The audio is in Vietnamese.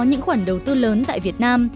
những khoản đầu tư lớn tại việt nam